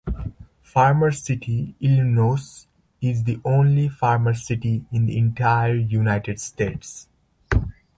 Farmer City, Illinois is the only Farmer City in the entire United States.